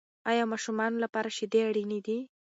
آیا ماشومانو لپاره شیدې اړینې دي؟